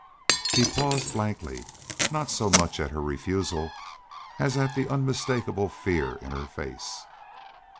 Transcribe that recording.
Hare paused blankly, not so much at her refusal as at the unmistakable fear in her face.